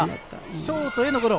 ショートへのゴロ。